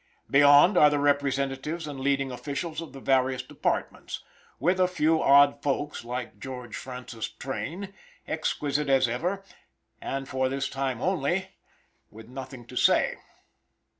Beyond are the representatives and leading officials of the various departments, with a few odd folks like George Francis Train, exquisite as ever, and, for this time only, with nothing to say.